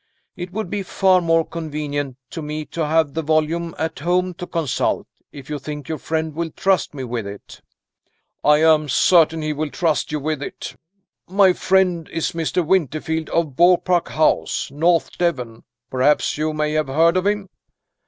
It would be far more convenient to me to have the volume at home to consult, if you think your friend will trust me with it." "I am certain he will trust you with it. My friend is Mr. Winterfield, of Beaupark House, North Devon. Perhaps you may have heard of him?"